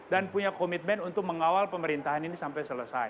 dan punya komitmen untuk mengawal pemerintahan ini sampai selesai